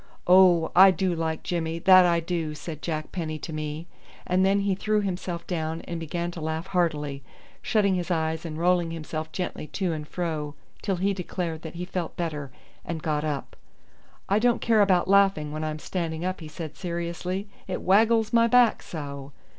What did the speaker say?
"Oh, I do like Jimmy, that I do," said Jack Penny to me, and then he threw himself down and began to laugh heartily, shutting his eyes and rolling himself gently to and fro till he declared that he felt better, and got up. "I don't care about laughing when I'm standing up," he said seriously, "it waggles my back so."